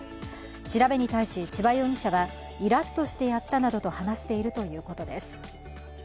調べに対し、千葉容疑者はイラッとしてやったなどと話しているということです。